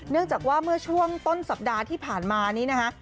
เนื่องจากว่าเมื่อช่วงต้นสัปดาห์ที่ผ่านมานี้นะคะ